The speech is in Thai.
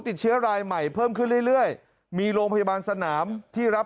ติดเชื้อรายใหม่เพิ่มขึ้นเรื่อยเรื่อยมีโรงพยาบาลสนามที่รับ